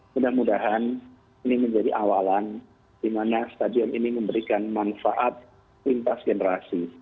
mudah mudahan ini menjadi awalan di mana stadion ini memberikan manfaat lintas generasi